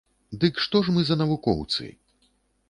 Дык што ж мы за навукоўцы?